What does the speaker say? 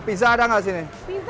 pizza ada gak disini